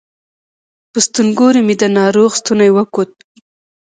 په ستونګوري مې د ناروغ ستونی وکوت